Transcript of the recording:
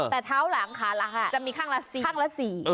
แต่เท้าหลังขาละ๕จะมีข้างละ๔